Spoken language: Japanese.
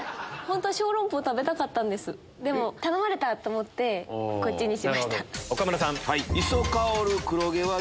でも頼まれた！と思ってこっちにしました。